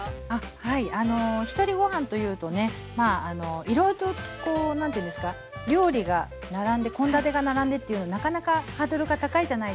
はいあのひとりごはんというとねいろいろとこう何ていうんですか料理が並んで献立が並んでっていうのはなかなかハードルが高いじゃないですか。